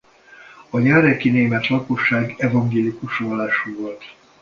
A járeki német lakosság evangélikus vallású volt.